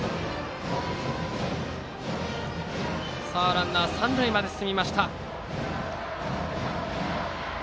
ランナー、三塁まで進みました。